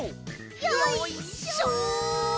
よいしょ！